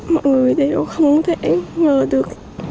mọi người đều không thể ngờ được